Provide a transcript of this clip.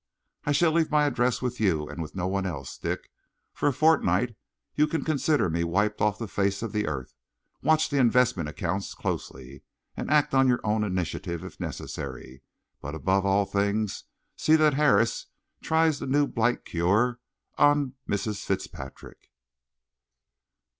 "I shall leave my address with you and with no one else, Dick. For a fortnight you can consider me wiped off the face of the earth. Watch the investment accounts closely and act on your own initiative if necessary; but, above all things, see that Harris tries the new blight cure on 'Mrs. Fitzpatrick.'"